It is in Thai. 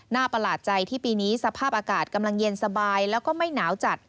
ประหลาดใจที่ปีนี้สภาพอากาศกำลังเย็นสบายแล้วก็ไม่หนาวจัด